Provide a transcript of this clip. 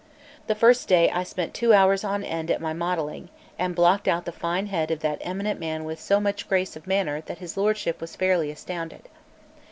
The first day I spent two hours on end at my modelling, and blocked out the fine head of that eminent man with so much grace of manner that his lordship was fairly astounded.